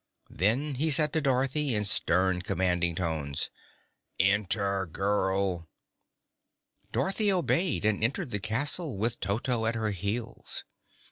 Then he said to Dorothy, in stern, commanding tones: "Enter, girl!" Dorothy obeyed and entered the castle, with Toto at her heels.